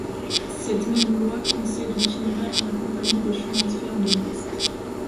Cette même loi concède l'itinéraire à la Compagnie des chemins de fer de l'Ouest.